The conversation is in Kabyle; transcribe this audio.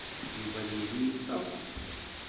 Yuba ad yili yeṭṭes.